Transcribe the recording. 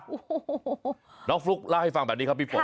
โอ้โหน้องฟลุ๊กเล่าให้ฟังแบบนี้ครับพี่ฝน